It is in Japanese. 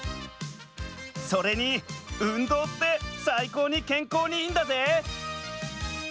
それに運動って最高にけんこうにいいんだぜ！